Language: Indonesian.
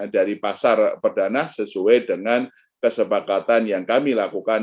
dari pasar perdana sesuai dengan kesepakatan yang kami lakukan